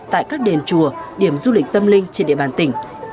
tại các đền chùa điểm du lịch tâm linh trên địa bàn tỉnh